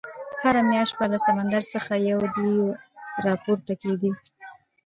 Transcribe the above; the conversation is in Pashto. هره میاشت به له سمندر څخه یو دېو راپورته کېدی.